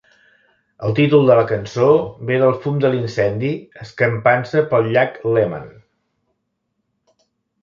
El títol de la cançó ve del fum de l'incendi escampant-se pel llac Léman.